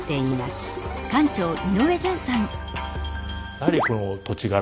やはりこの土地柄